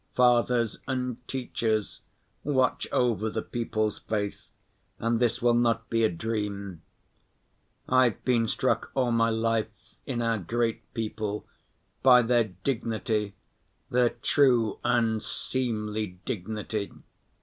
Fathers and teachers, watch over the people's faith and this will not be a dream. I've been struck all my life in our great people by their dignity, their true and seemly dignity.